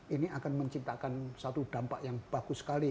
ini akan menciptakan satu dampak yang bagus sekali